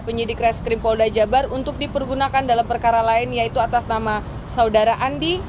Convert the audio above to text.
penyidik reskrim polda jabar untuk dipergunakan dalam perkara lain yaitu atas nama saudara andi